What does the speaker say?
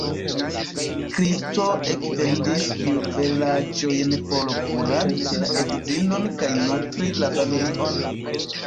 Kristo ekvendis juvelaĵojn por kuraci la edzinon kaj nutri la familion.